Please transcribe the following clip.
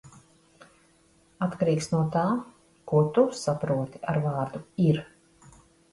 Atkarīgs no tā, ko tu saproti ar vārdu "ir".